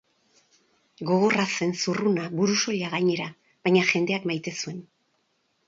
Gogorra zen, zurruna, burusoila gainera, baina jendeak maite zuen.